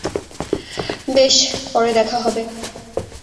বেশ, পরে দেখা হবে।